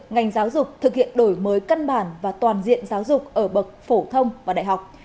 ngành giáo dục thực hiện đổi mới cân bản và toàn diện giáo dục ở bậc